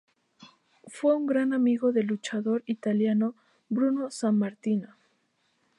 Fue un gran amigo del luchador italiano Bruno Sammartino.